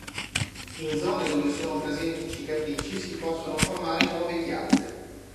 In zone dove sono presenti cicatrici si possono formare nuove chiazze.